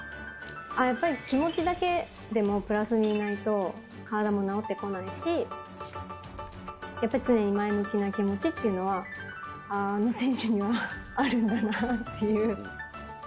やっぱり、気持ちだけでもプラスにいないと、体も治ってこないし、やっぱり常に前向きな気持ちっていうのは、あの選手にはあるんだなっていう。